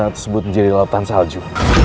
tersebut menjadi letan salju